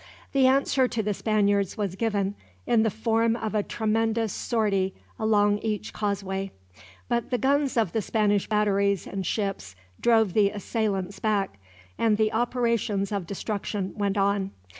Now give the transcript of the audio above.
The answer to the Spaniards was given in the form of a tremendous sortie along each causeway; but the guns of the Spanish batteries and ships drove the assailants back, and the operations of destruction went on.